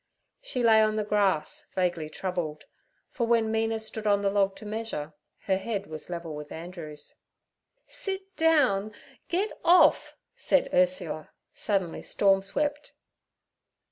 She lay on the grass, vaguely troubled, for when Mina stood on the log to measure, her head was level with Andrew's. 'Sit down! get off!' said Ursula, suddenly storm swept.